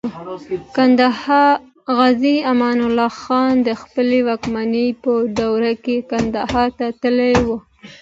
غازي امان الله خان د خپلې واکمنۍ په دوره کې کندهار ته تللی و.